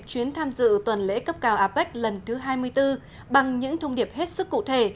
chuyến tham dự tuần lễ cấp cao apec lần thứ hai mươi bốn bằng những thông điệp hết sức cụ thể